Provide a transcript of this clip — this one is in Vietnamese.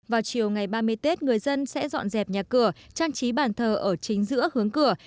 vào chiều ngày ba mươi tết người dân sẽ dọn dẹp nhà cửa trang trí bàn thờ ở chính giữa hướng cửa